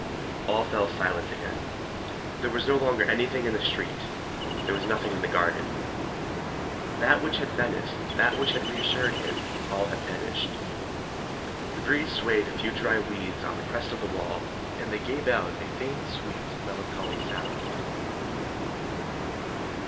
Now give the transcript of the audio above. All fell silent again. There was no longer anything in the street; there was nothing in the garden. That which had menaced, that which had reassured him,—all had vanished. The breeze swayed a few dry weeds on the crest of the wall, and they gave out a faint, sweet, melancholy sound.